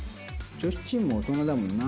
女子チームは大人だもんな。